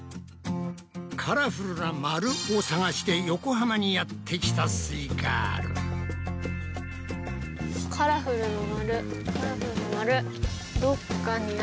「カラフルな丸」を探して横浜にやってきたすイガール。